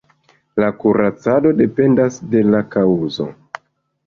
La kuracado dependas de la kaŭzo.